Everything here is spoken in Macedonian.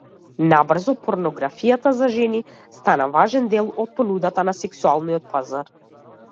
Набрзо порнографијата за жени стана важен дел од понудата на сексуалниот пазар.